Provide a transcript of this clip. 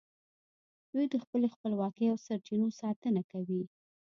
دوی د خپلې خپلواکۍ او سرچینو ساتنه کوي